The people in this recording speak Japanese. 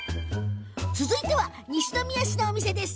続いては西宮市のお店です。